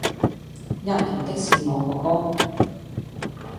喫人的是我哥哥！